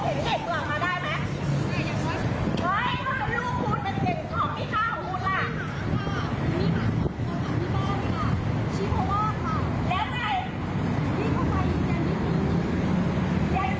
กลับมาเล่าให้ฟังครับ